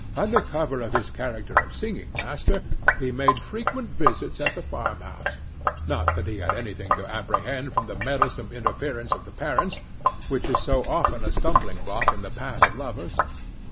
Under cover of his character of singing master, he made frequent visits at the farmhouse; not that he had anything to apprehend from the meddlesome interference of parents, which is so often a stumbling block in the path of lovers.